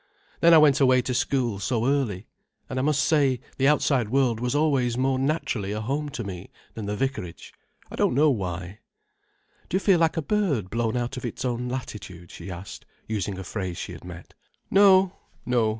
Then I went away to school so early. And I must say, the outside world was always more naturally a home to me than the vicarage—I don't know why." "Do you feel like a bird blown out of its own latitude?" she asked, using a phrase she had met. "No, no.